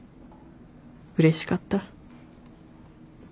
うれしかった。